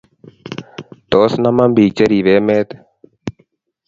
Tos, naman biik cheribe emet